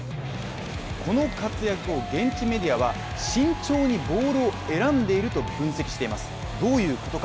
この活躍を現地メディアは慎重にボールを選んでいると分析しています。